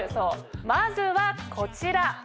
まずはこちら。